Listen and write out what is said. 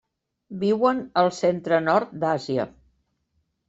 Viuen al centre-nord d'Àsia.